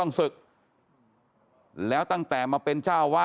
เมื่อยครับเมื่อยครับ